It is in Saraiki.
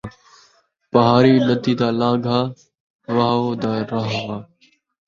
پہاڑی ندی دا لانگھا، وَہاؤ دا رَاہ۔